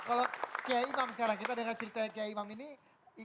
kalau kiai imam sekarang kita dengar cerita kiai imam ini